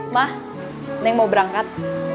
mak saya mau berangkat